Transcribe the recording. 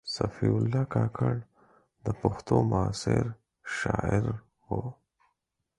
صفي الله کاکړ د پښتو معاصر شاعر و.